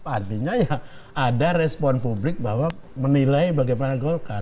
artinya ya ada respon publik bahwa menilai bagaimana golkar